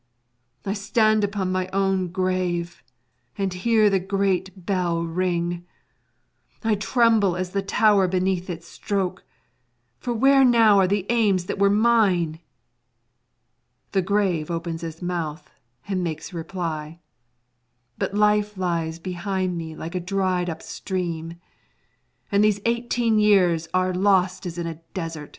I stand upon my own grave, and hear the great bell ring. I tremble as the tower beneath its stroke, for where now are the aims that were mine? The grave opens its mouth and makes reply. But life lies behind me like a dried up stream, and these eighteen years are lost as in a desert.